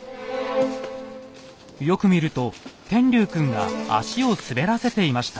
よく見ると天龍くんが足を滑らせていました。